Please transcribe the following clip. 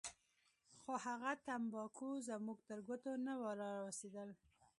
خو هغه تمباکو زموږ تر ګوتو نه راورسېدل.